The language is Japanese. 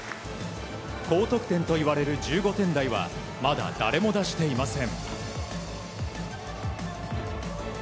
高得点といわれる１５点台はまだ誰も出していません。